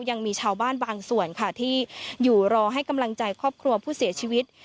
ยังมีชาวบ้านบางส่วนค่ะที่อยู่รอให้กำลังใจครอบครัวผู้เสียชีวิต